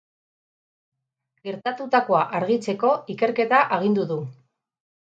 Gertatutakoa argitzeko, ikerketa agindu du.